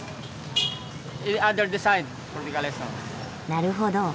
なるほど。